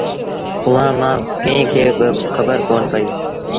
اُئآݩٚ مآݩٚ ڪݩهݩ کي با کبر ڪون پئيٚ